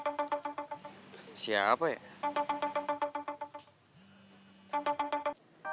ya mungkin si neng dan si kemot